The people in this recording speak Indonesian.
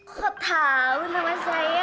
kok tau nama saya